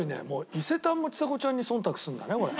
伊勢丹もちさ子ちゃんに忖度するんだねこれ。